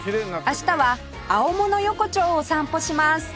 明日は青物横丁を散歩します